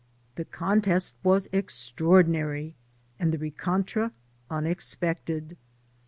The contest was extraordinary, atfd Uie rencontre unexpected.